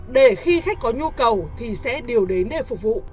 để khi khách có nhu cầu thì sẽ điều đến để phục vụ